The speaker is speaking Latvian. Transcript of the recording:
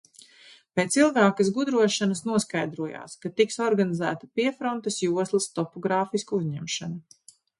Pēc ilgākas gudrošanas noskaidrojās, ka tiks organizēta piefrontes joslas topogrāfiska uzņemšana.